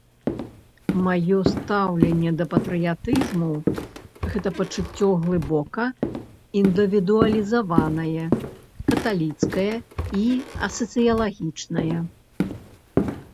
Маё стаўленьне да патрыятызму - гэта пачуцце глыбока індывідуалізаванае, каталіцкае і асацыялагічнае.